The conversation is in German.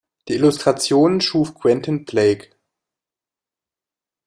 Die Illustrationen schuf Quentin Blake.